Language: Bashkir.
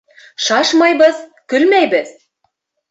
— Шашмайбыҙ, көлмәйбеҙ.